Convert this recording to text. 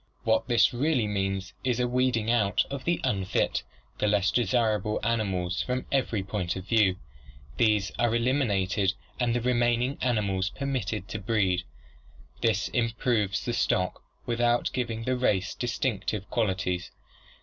What this really means is a weeding out of the unfit, the less desirable animals from every point of view. These are elimin ated and the remaining animals permitted to breed. This improves the stock without giving the race distinctive qualities.